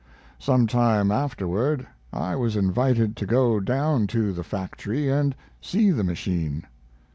Some time afterward I was invited to go down to the factory and see the machine.